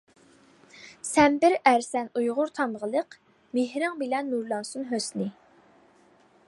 سەن بىر ئەرسەن ئۇيغۇر تامغىلىق، مېھرىڭ بىلەن نۇرلانسۇن ھۆسنى.